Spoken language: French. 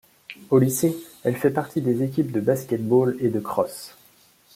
Au lycée, elle fait partie des équipes de basketball et de crosse.